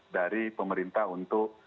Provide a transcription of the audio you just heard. dari pemerintah untuk